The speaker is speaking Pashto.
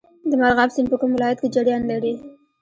د مرغاب سیند په کوم ولایت کې جریان لري؟